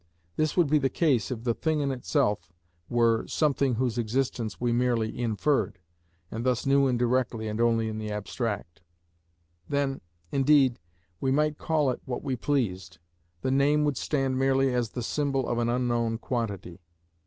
This would be the case if the thing in itself were something whose existence we merely inferred, and thus knew indirectly and only in the abstract. Then, indeed, we might call it what we pleased; the name would stand merely as the symbol of an unknown quantity.